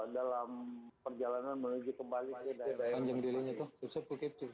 dalam perjalanan menuju kembali ke daerah daerah